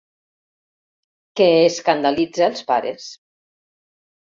Que escandalitza els pares.